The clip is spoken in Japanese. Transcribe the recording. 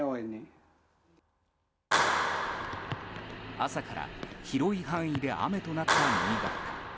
朝から広い範囲で雨となった新潟。